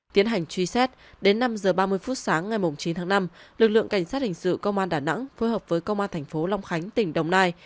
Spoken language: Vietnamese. tiến hành truy xét đến năm h ba mươi phút sáng ngày chín tháng năm lực lượng cảnh sát hình sự công an đà nẵng phối hợp với công an thành phố long khánh tỉnh đồng nai